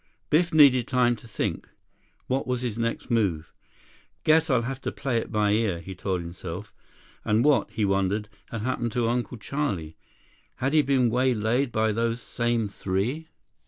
Biff needed time to think. What was his next move? "Guess I'll have to play it by ear," he told himself, and what, he wondered, had happened to Uncle Charlie? Had he been waylaid by those same three?